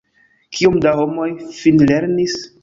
Kiom da homoj finlernis?